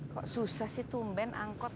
kok susah sih tumben angkot